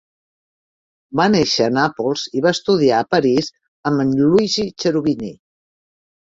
Va néixer a Nàpols i va estudiar a París amb en Luigi Cherubini.